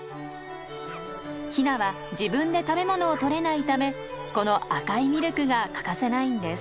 ヒナは自分で食べ物を取れないためこの赤いミルクが欠かせないんです。